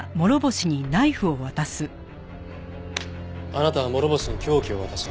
あなたは諸星に凶器を渡し。